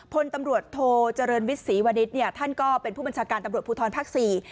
พลตำรวจโทเจริญวิทย์ศรีวณิชย์เนี่ยท่านก็เป็นผู้บัญชาการตำรวจภูทรภาคสี่